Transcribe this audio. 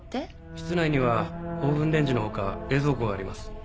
室内にはオーブンレンジの他冷蔵庫があります